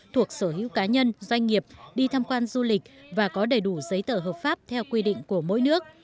thuộc sở hữu cá nhân doanh nghiệp đi tham quan du lịch và có đầy đủ giấy tờ hợp pháp theo quy định của mỗi nước